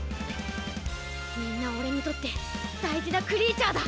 みんな俺にとって大事なクリーチャーだ。